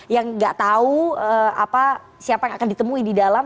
yang nggak tahu siapa yang akan ditemui di dalam